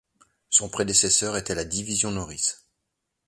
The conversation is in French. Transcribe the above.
Son prédécesseur était la Division Norris.